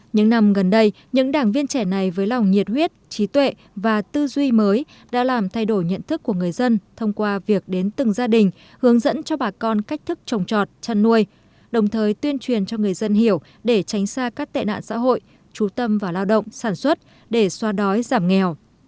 những năm gần đây những đảng viên trẻ này với lòng nhiệt huyết trí tuệ và tư duy mới đã làm thay đổi nhận thức của người dân thông qua việc đến từng gia đình hướng dẫn cho bà con cách thức trồng trọt chăn nuôi đồng thời tuyên truyền cho người dân hiểu để tránh xa các tệ nạn xã hội trú tâm vào lao động sản xuất để xoa đói giảm nghèo